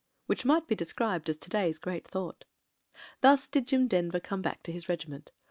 Which might be described as to day's great thought. ••••• Thus did Jim Denver come back to his regiment.